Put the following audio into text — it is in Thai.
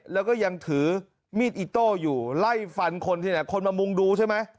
แล้วก็ยังถือมีดอิโต้อยู่ไล่ฟันคนที่ไหนคนมามุงดูใช่ไหม